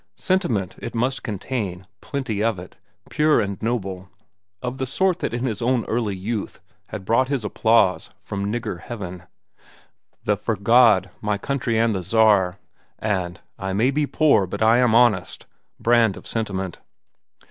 Sentiment it must contain, plenty of it, pure and noble, of the sort that in his own early youth had brought his applause from "nigger heaven"—the "For God my country and the Czar" and "I may be poor but I am honest" brand of sentiment.